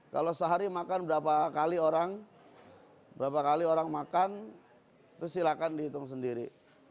kalau sehari makan berapa kali orang berapa kali orang makan itu silakan dihitung sendiri